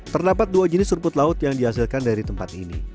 terdapat dua jenis rumput laut yang dihasilkan dari tempat ini